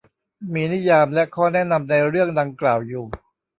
มีนิยามและข้อแนะนำในเรื่องดังกล่าวอยู่